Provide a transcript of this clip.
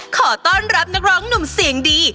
ขอต้อนรับนักร้องหนุ่มเสียงดี